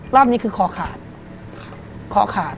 รอบนี้คือคอขาด